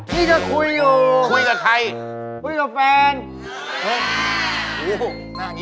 นี่ก็คุยอยู่คุยกัน